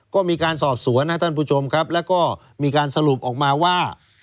ก็มีการสอบสวนนะท่านผู้ชมครับแล้วก็มีการสรุปออกมาว่า